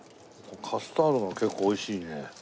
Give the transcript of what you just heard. カスタードが結構美味しいね。